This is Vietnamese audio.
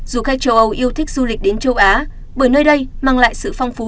du khách châu âu yêu thích du lịch đến châu á bởi nơi đây mang lại sự phong phú